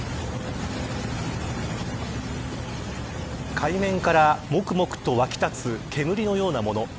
海面からもくもくと沸き立つ煙のようなもの。